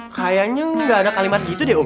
kayanya ga ada kalimat gitu deh om